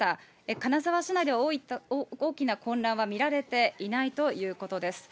金沢市内では大きな混乱は見られていないということです。